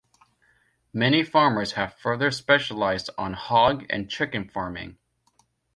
Many farmers have further specialized on hog and chicken farming.